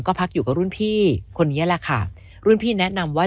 ก็พักอยู่กับรุ่นพี่คนนี้แหละค่ะรุ่นพี่แนะนำว่า